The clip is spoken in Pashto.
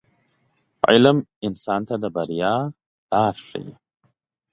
• علم انسان ته د بریا لار ښیي.